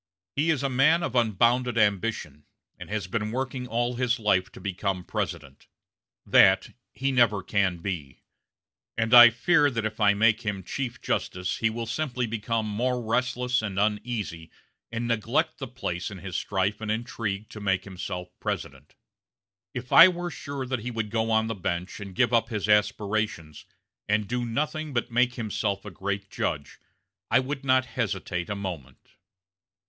He is a man of unbounded ambition, and has been working all his life to become President. That he can never be; and I fear that if I make him chief justice he will simply become more restless and uneasy and neglect the place in his strife and intrigue to make himself President. If I were sure that he would go on the bench and give up his aspirations, and do nothing but make himself a great judge, I would not hesitate a moment."